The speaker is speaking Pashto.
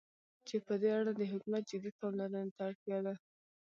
چې په دې اړه د حكومت جدي پاملرنې ته اړتيا ده.